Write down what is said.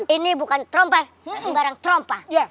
ini bukan trompa sembarang trompa